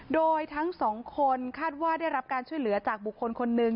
โดยทั้งสองคนคาดว่าได้รับการช่วยเหลือจากบุคคลคนหนึ่ง